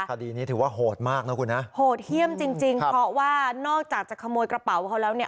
คดีนี้ถือว่าโหดมากนะคุณนะโหดเยี่ยมจริงจริงเพราะว่านอกจากจะขโมยกระเป๋าเขาแล้วเนี่ย